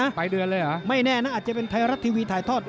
ปลายเดือนเลยเหรอไม่แน่นะอาจจะเป็นไทยรัฐทีวีถ่ายทอด